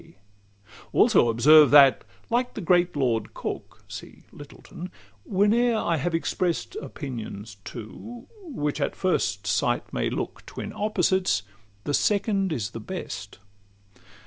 Also observe, that, like the great Lord Coke (See Littleton), whene'er I have express'd Opinions two, which at first sight may look Twin opposites, the second is the best.